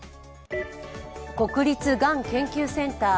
国立がん研究センター